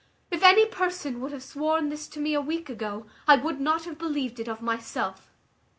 If any person would have sworn this to me a week ago, I would not have believed it of myself."